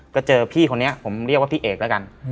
ก็เจอพี่คนนี้ผมเรียกว่าพี่เอกแล้วกัน